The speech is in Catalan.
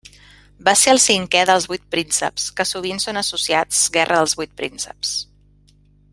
Va ser el cinquè dels vuit prínceps que sovint són associats Guerra dels Vuit Prínceps.